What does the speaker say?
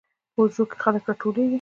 په حجرو کې خلک راټولیږي.